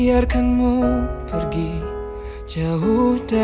aku coba mengobati